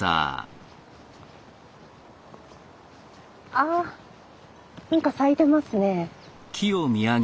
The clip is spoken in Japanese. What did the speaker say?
あ何か咲いてますね。